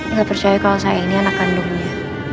nggak percaya kalau saya ini anak kandungnya